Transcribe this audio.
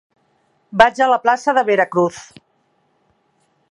Vaig a la plaça de Veracruz.